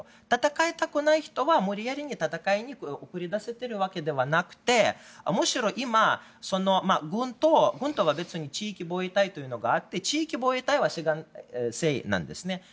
戦いたくない人を無理矢理に戦いに送り出しているわけではなくてむしろ今、軍と、軍とは別に地域防衛隊というのがあって地域防衛隊は志願制なんですね。